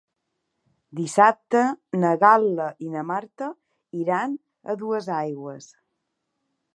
Dissabte na Gal·la i na Marta iran a Duesaigües.